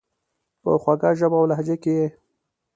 په خوږه ژبه اولهجه کي یې،